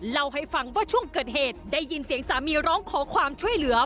เล่าให้ฟังว่าช่วงเกิดเหตุได้ยินเสียงสามีร้องขอความช่วยเหลือ